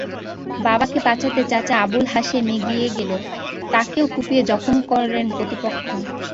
বাবাকে বাঁচাতে চাচা আবুল হাশেম এগিয়ে গেলে তাঁকেও কুপিয়ে জখম করেন প্রতিপক্ষ।